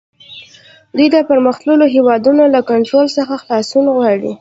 دوی د پرمختللو هیوادونو له کنټرول څخه خلاصون غواړي